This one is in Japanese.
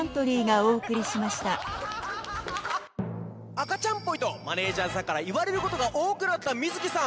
赤ちゃんぽいとマネージャーさんから言われることが多くなった水木さん